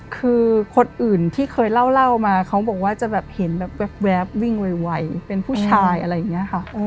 คือคนอื่นที่เคยเล่ามาเขาบอกว่าจะแบบเห็นแบบแว๊บวิ่งไวเป็นผู้ชายอะไรอย่างนี้ค่ะ